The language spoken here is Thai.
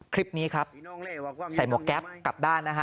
คลิปนี้ครับ